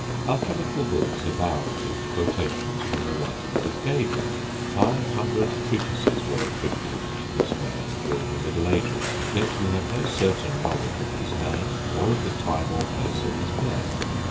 Alchemical books abound in quotations from the writings of Geber. Five hundred treatises were attributed to this man during the middle ages, yet we have no certain knowledge of his name, or of the time or place of his birth.